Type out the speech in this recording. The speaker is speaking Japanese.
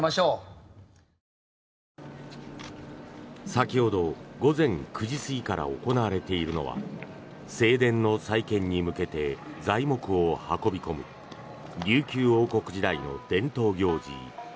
先ほど、午前９時過ぎから行われているのは正殿の再建に向けて材木を運び込む琉球王国時代の伝統行事